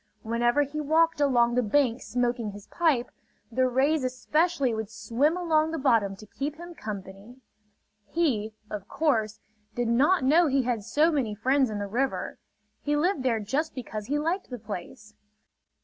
Whenever he walked along the bank smoking his pipe, the rays especially would swim along the bottom to keep him company. He, of course, did not know he had so many friends in the river. He lived there just because he liked the place.